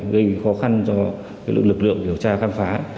gây khó khăn cho lực lượng điều tra khám phá